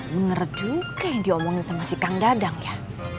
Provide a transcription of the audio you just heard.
bener juga yang diomongin sama si kang dadang ya